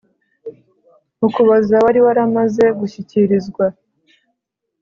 Ukuboza wari waramaze gushyikirizwa